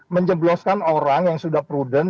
menjebloskan orang yang sudah prudent